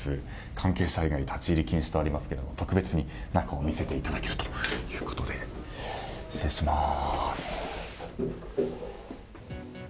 関係者以外立ち入り禁止とありますが特別に中を見せていただけるということです。